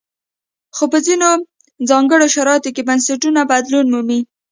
خو په ځینو ځانګړو شرایطو کې بنسټونه بدلون مومي.